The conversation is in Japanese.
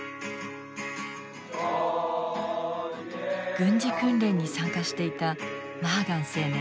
軍事訓練に参加していたマーガン青年。